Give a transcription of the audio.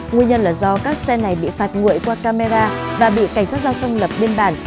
nguyên nhân là do các xe này bị phạt nguội qua camera và bị cảnh sát giao thông lập biên bản